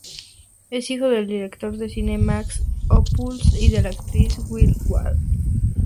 Es hijo del director de cine Max Ophüls y de la actriz Hilde Wall.